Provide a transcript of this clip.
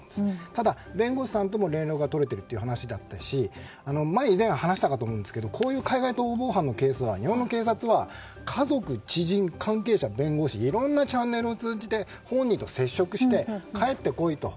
ただ、弁護士さんとも連絡が取れているという話だったし以前、話したかと思いますけどこういう海外逃亡犯のケースだと日本の警察は、家族や知人などいろんなチャンネルを通じて本人と接触して、帰ってこいと。